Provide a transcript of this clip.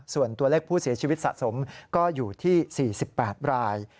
ส่วนตัวเลขผู้เสียชีวิตสะสมก็อยู่ที่๔๘ราย